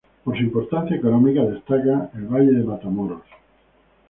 Por su importancia económica destacan el Valle de Matamoros.